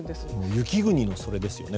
雪国のそれですよね。